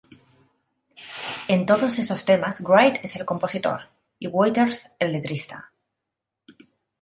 En todos esos temas Wright es el compositor y Waters el letrista.